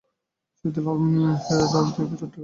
শহীদুল আলম শহীদরাউজান, চট্টগ্রাম